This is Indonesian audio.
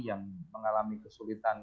yang mengalami kesulitan